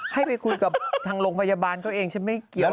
ให้ไปคุยกับทางโรงพยาบาลเขาเองฉันไม่เกี่ยว